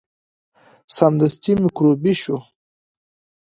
سمدستي میکروبي شو.